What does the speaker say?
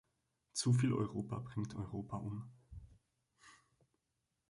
Zuviel Europa bringt Europa um.